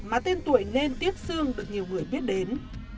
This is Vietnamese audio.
mà tên tuổi nên tiếc xương được nhiều người biết đến